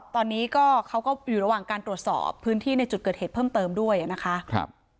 ตอนนี้ก็เขาก็อยู่ระหว่างการตรวจสอบพื้นที่ในจุดเกิดเหตุเพิ่มเติมด้วยนะคะ